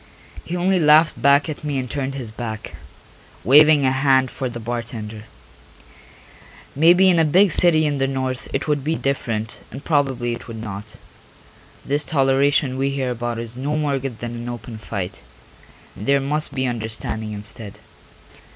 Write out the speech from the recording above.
He only laughed back at me and turned his back, waving a hand for the bartender. Maybe in a big city in the North it would be different and probably it would not: this toleration we hear about is no more good than an open fight, and there must be understanding instead.